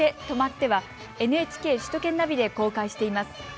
とまって！はＮＨＫ首都圏ナビで公開しています。